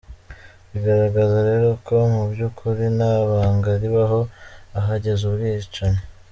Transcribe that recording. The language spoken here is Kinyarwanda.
Bigaragaza rero ko mu by’ukuri nta banga ribaho ahageze ubwicanyi!